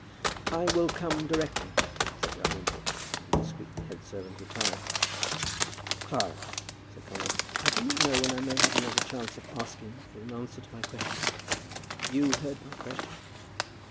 "I will come directly," said Dalrymple, and the discreet head servant retired. "Clara," said Conway, "I do not know when I may have another chance of asking for an answer to my question. You heard my question?"